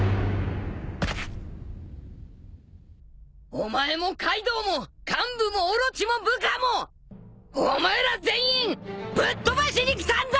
お前もカイドウも幹部もオロチも部下もお前ら全員ぶっ飛ばしに来たんだ！